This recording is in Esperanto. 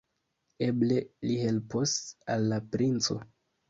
Eble, li helpos al la princo!